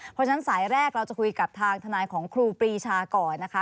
เพราะฉะนั้นสายแรกเราจะคุยกับทางทนายของครูปรีชาก่อนนะคะ